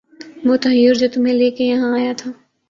وُہ تحیّر جو تُمھیں لے کے یہاں آیا تھا